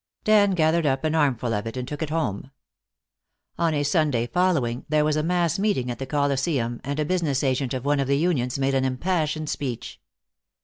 Dan gathered up an armful of it and took it home. On a Sunday following, there was a mass meeting at the Colosseum, and a business agent of one of the unions made an impassioned speech.